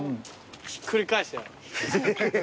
ひっくり返してやろう。